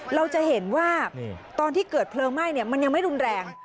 เราจะเห็นว่าตอนที่เกิดเพลิงไหม้มันยังไม่รุนแรง